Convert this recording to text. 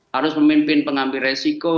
harus memimpin pengambil resiko